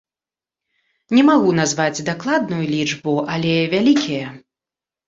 Не магу назваць дакладную лічбу, але вялікія.